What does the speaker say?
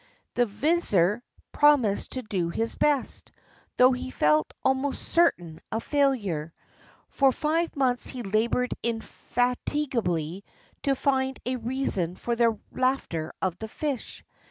The vizier promised to do his best, though he felt almost certain of failure. For five months he labored indefatigably to find a reason for the laughter of the fish.